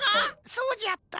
そうじゃった。